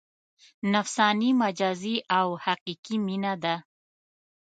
نفساني، مجازي او حقیقي مینه ده.